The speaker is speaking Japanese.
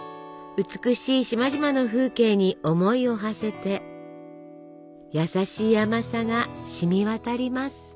美しい島々の風景に思いをはせて優しい甘さが染み渡ります。